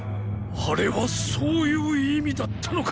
あれはそういう意味だったのか！